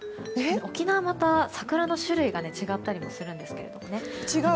沖縄はまた桜の種類が違ったりもするんですけどね。